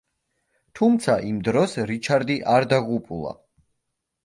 თუმცა იმ დროს რიჩარდი არ დაღუპულა.